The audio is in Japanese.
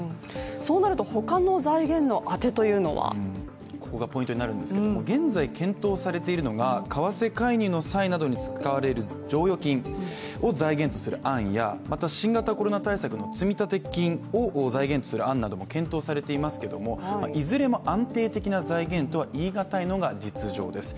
そうなると、他の財源のあてというのは？ここがポイントになるんですけれども現在検討されているのが為替介入などの際に使われる剰余金を財源とする案やまた、新型コロナ対策の積立金を財源とする案も検討されていますけれどもいずれも安定的な財源とは言いがたいのが実情です。